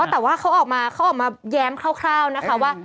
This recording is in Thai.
แต่ว่าเขาออกมาแย้มคร่าวนะคะว่า